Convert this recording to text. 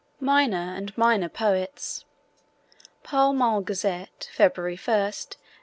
MINER AND MINOR POETS (Pall Mall Gazette, February 1, 1887.)